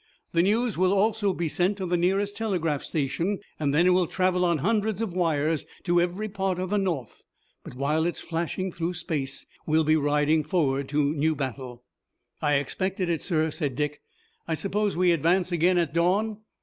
The news will also be sent to the nearest telegraph station, and then it will travel on hundreds of wires to every part of the North, but while it's flashing through space we'll be riding forward to new battle." "I expected it, sir," said Dick. "I suppose we advance again at dawn."